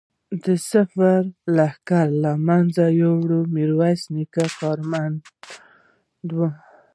د صفوي لښکر له منځه وړل د میرویس نیکه کارنامه وه.